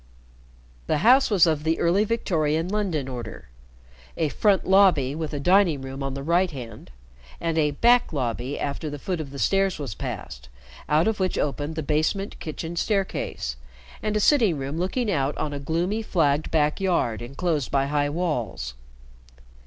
The house was of the early Victorian London order. A "front lobby" with a dining room on the right hand, and a "back lobby," after the foot of the stairs was passed, out of which opened the basement kitchen staircase and a sitting room looking out on a gloomy flagged back yard inclosed by high walls.